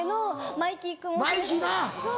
マイキーな。